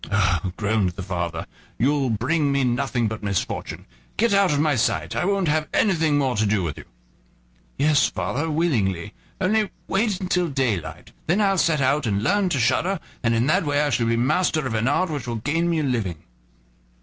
"Oh!" groaned the father, "you'll bring me nothing but misfortune; get out of my sight, I won't have anything more to do with you." "Yes, father, willingly; only wait till daylight, then I'll set out and learn to shudder, and in that way I shall be master of an art which will gain me a living."